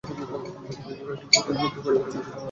এটি মুক্তির পর মিশ্র সমালোচনা পেয়েছিল।